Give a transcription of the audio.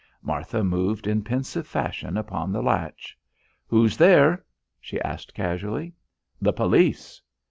Martha moved in pensive fashion upon the latch. "Who's there?" she asked casually. "The police."